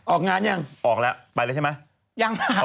ออกงานยังออกแล้วไปแล้วใช่ไหม